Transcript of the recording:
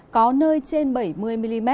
có nơi trên bảy mươi mm